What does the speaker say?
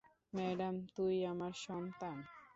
Adam, তুই আমার সন্তান।